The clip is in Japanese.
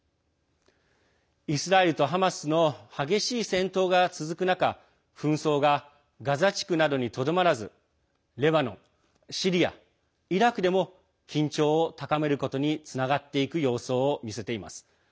イスラエルとハマスの激しい戦闘が続く中紛争がガザ地区などにとどまらずレバノン、シリア、イラクでも緊張を高めることにつながっていく様相を見せています。